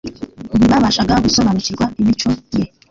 Ntibabashaga gusobanukirwa imico Ye